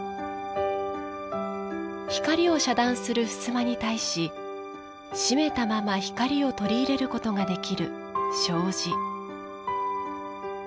光を遮断する、ふすまに対し閉めたまま光を取り入れることができる障子。